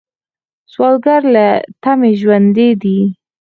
سوالګر له تمې ژوندی دی